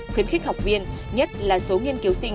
khuyến khích học viên nhất là số nghiên cứu sinh